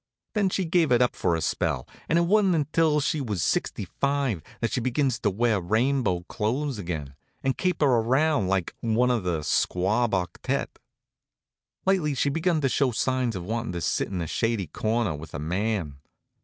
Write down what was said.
Then she gave it up for a spell and it wa'n't until she was sixty five that she begins to wear rainbow clothes again, and caper around like one of the squab octet. Lately she'd begun to show signs of wantin' to sit in a shady corner with a man.